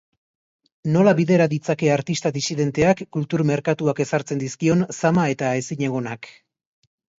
Nola bidera ditzake artista disidenteak kultur merkatuak ezartzen dizkion zama eta ezinegonak?